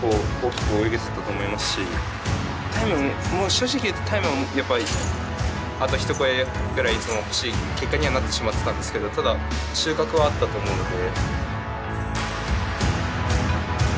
正直言うとタイムはやっぱあと一声ぐらい欲しい結果にはなってしまってたんですけどただ収穫はあったと思うので。